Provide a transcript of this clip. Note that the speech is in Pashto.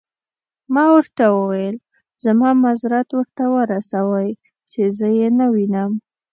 ما ورته وویل: زما معذرت ورته ورسوئ، چې زه يې نه وینم.